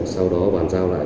sau đó bàn giao lại